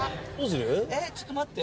えっちょっと待って。